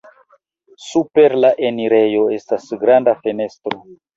Super la enirejo estas granda fenestro.